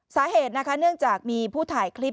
สาเหตุนะคะเนื่องจากมีผู้ถ่ายคลิป